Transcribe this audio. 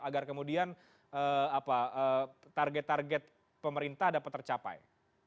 agar kemudian target target pemerintah dapat tercapai